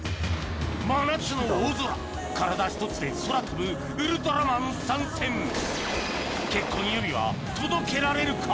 真夏の大空体ひとつで空飛ぶウルトラマン参戦結婚指輪届けられるか？